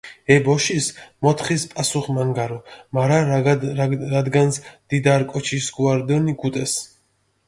ე ბოშის მოთხის პასუხი მანგარო, მარა რადგანს დიდარი კოჩიში სქუა რდჷნი, გუტეს.